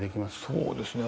そうですね